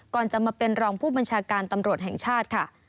ก่อนจะมาเป็นรองผู้บัญชาการตำรวจแห่งชาติค่ะ